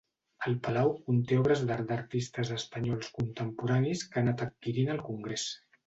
El palau conté obres d'art d'artistes espanyols contemporanis que ha anat adquirint el Congrés.